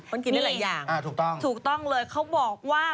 มันกินได้หลายอย่างถูกต้องถูกต้องเลยเขาบอกว่า